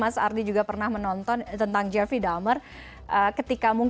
apakah tutaj backyard tempat apa di ter purple chamber era waktu sekarang